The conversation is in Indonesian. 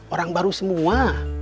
orang baru semua